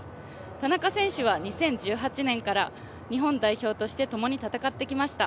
田中選手は２０１８年から日本代表としてともに戦ってきました。